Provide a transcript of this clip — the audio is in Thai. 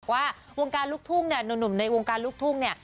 ว่าวงการลูกทุ่งเนี่ยหนุ่มในวงการลูกทุ่งเนี่ย